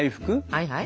はいはい。